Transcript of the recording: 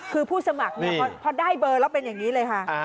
คือผู้สมัครเนี่ยพอได้เบอร์แล้วเป็นอย่างนี้เลยค่ะ